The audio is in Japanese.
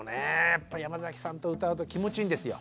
やっぱり山崎さんと歌うと気持ちいいんですよ。